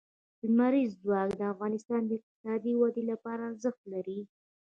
لمریز ځواک د افغانستان د اقتصادي ودې لپاره ارزښت لري.